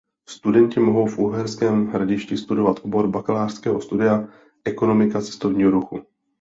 Studenti mohou v Uherském Hradišti studovat obor bakalářského studia Ekonomika cestovního ruchu.